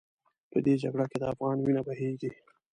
په دې جګړه کې د افغان وینه بهېږي.